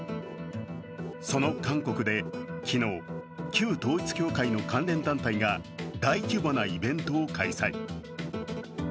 その韓国で昨日、旧統一教会の関連団体が大規模なイベントを開催。